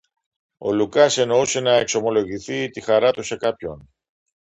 Ο Λουκάς εννοούσε να ξεμολογηθεί τη χαρά του σε κάποιον